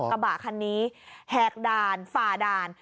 กระบะคันนี้แหกด่านฝ่าด่าน